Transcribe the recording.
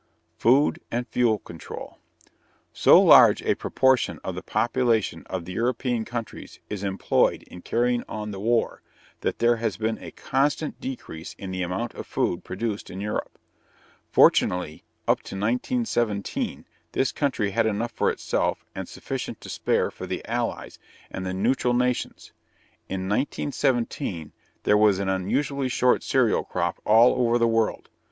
Food and Fuel Control. So large a proportion of the population of the European countries is employed in carrying on the war that there has been a constant decrease in the amount of food produced in Europe. Fortunately, up to 1917 this country had enough for itself and sufficient to spare for the Allies and the neutral nations. In 1917 there was an unusually short cereal crop all over the world.